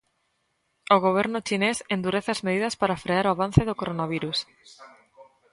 O goberno chinés endurece as medidas para frear o avance do coronavirus.